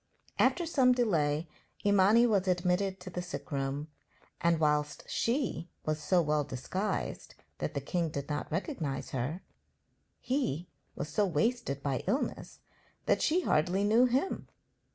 After some delay Imani was admitted to the sick room, and, whilst she was so well disguised that the king did not recognize her, he was so wasted by illness that she hardly knew him.